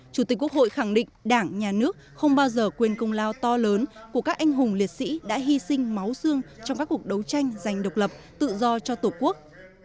chủ tịch quốc hội khẳng định đảng nhà nước không bao giờ quên công lao to lớn của các anh hùng liệt sĩ đã hy sinh máu xương trong các cuộc đấu tranh giành độc lập tự do cho tổ quốc